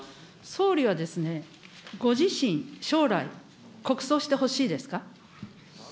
総理はですね、ご自身、将来、国葬してほしいですか。